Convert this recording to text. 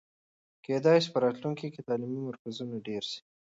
کېدای سي په راتلونکي کې تعلیمي مرکزونه ډېر سي.